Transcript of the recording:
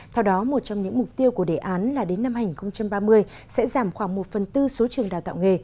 theo đó một trong những mục tiêu của đề án là đến năm hai nghìn ba mươi sẽ giảm khoảng một phần tư số trường đào tạo nghề